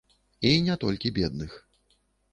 І не толькі бедных.